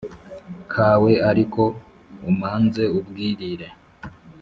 kawe ariko umanze ubwirire